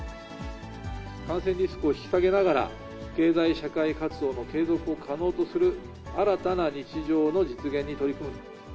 感染リスクを引き下げながら、経済社会活動の継続を可能とする、新たな日常の実現に取り組むと。